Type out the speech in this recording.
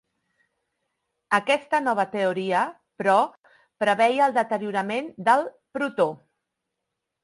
Aquesta nova teoria, però, preveia el deteriorament del protó.